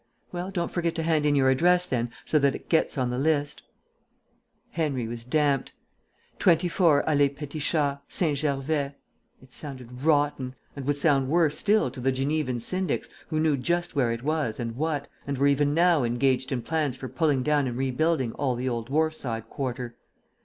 "Well, don't forget to hand in your address then, so that it gets on the list." Henry was damped. 24 Allée Petit Chat, Saint Gervais it sounded rotten, and would sound worse still to the Genevan syndics, who knew just where it was and what, and were even now engaged in plans for pulling down and rebuilding all the old wharfside quarter.